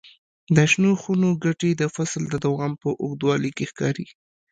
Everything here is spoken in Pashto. د شنو خونو ګټې د فصل د دوام په اوږدوالي کې ښکاري.